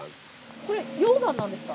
これ、溶岩なんですか？